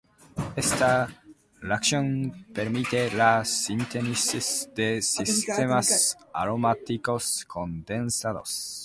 Esta reacción permite la síntesis de sistemas aromáticos condensados.